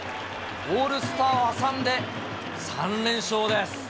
オールスターを挟んで３連勝です。